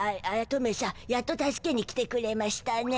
トメさんやっと助けに来てくれましゅたね。